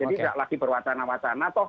tidak lagi berwacana wacana